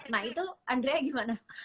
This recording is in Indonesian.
nah itu andria gimana